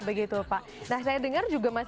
begitu pak nah saya denger juga